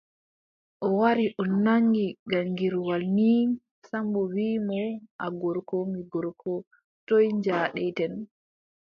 O wari o naŋgi gaŋgirwal nii, Sammbo wiʼi mo : a gorko, mi gorko, toy njaadeten ?